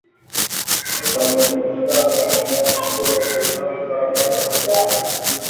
Wafanyabiashara wanadai kuwa uhaba huo ulipelekea